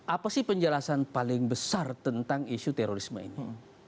apa sih penjelasan paling besar tentang isu terorisme ini